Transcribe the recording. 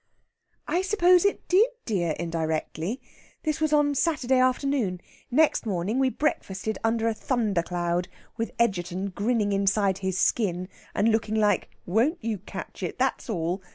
"I suppose it did, dear, indirectly. That was on Saturday afternoon. Next morning we breakfasted under a thundercloud with Egerton grinning inside his skin, and looking like 'Won't you catch it, that's all!'